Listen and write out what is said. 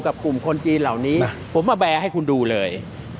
กลุ่มคนจีนเหล่านี้ผมมาแบร์ให้คุณดูเลย